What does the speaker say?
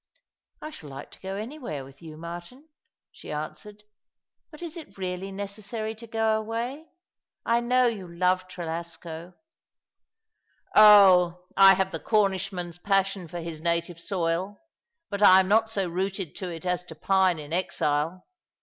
" "I shall like to go anywhere with you, Martin," she answered. " But is it really necessary to go away ? I know you love Trelasco." " Oh, I have the Cornishman's passion for his native soil ; but I am not so rooted to it as to pine in exile.